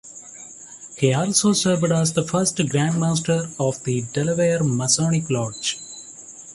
He also served as the first Grand Master of the Delaware Masonic Lodge.